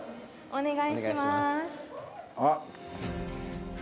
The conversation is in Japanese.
お願いします。